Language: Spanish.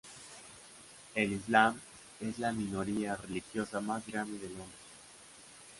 El islam es la minoría religiosa más grande de Londres.